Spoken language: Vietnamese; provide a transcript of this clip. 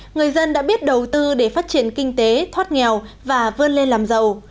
người dân đã biết đầu tư để phát triển kinh tế thoát nghèo và vươn lên làm giàu